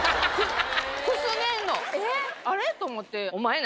あれ？と思って。